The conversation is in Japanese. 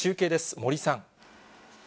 森さん。